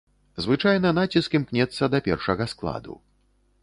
Звычайна, націск імкнецца да першага складу.